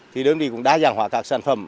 thì đơn vị cũng đã giảng hóa các sản phẩm